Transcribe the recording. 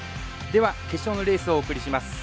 では決勝のレースをお送りします。